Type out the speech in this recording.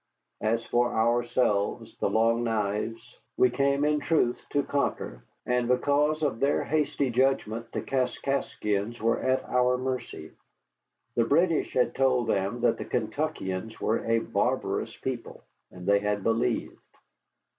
As for ourselves, the Long Knives, we came in truth to conquer, and because of their hasty judgment the Kaskaskians were at our mercy. The British had told them that the Kentuckians were a barbarous people, and they had believed.